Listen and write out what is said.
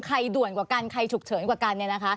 ใครด่วนกว่ากันใครฉุกเฉินกว่ากัน